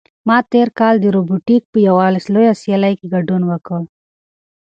ما تېر کال د روبوټیک په یوه لویه سیالۍ کې ګډون وکړ.